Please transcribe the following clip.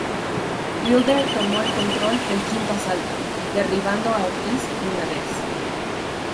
Wilder tomó el control del quinto asalto, derribando a Ortiz una vez.